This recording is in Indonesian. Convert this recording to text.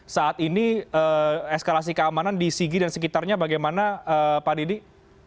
saat ini eskalasi keamanan di sigi dan sekitarnya bagaimana pak didi